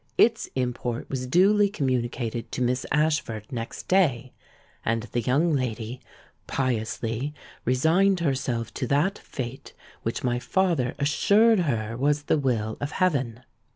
Its import was duly communicated to Miss Ashford next day; and the young lady piously resigned herself to that fate which my father assured her was the will of heaven.